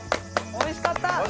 おいしかった！